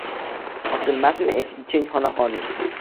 Ochilmasmi eshigi keng xonaqoning.